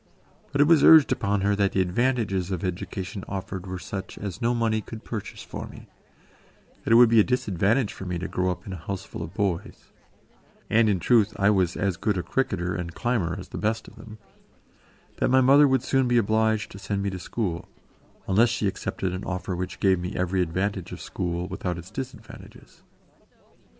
But it was urged upon her that the advantages of education offered were such as no money could purchase for me; that it would be a disadvantage for me to grow up in a houseful of boys and, in truth, I was as good a cricketer and climber as the best of them that my mother would soon be obliged to send me to school, unless she accepted an offer which gave me every advantage of school without its disadvantages.